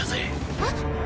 えっ？